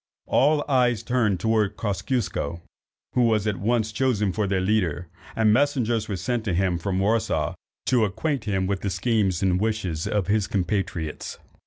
All eyes were turned towards Kosciusko, who was at once chosen for their leader, and messengers were sent to him from Warsaw to acquaint him with the schemes and wishes of his compatriots.